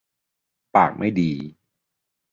ปากไม่ดี